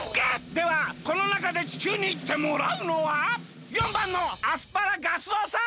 ではこのなかで地球にいってもらうのは４ばんのアス原ガス男さん！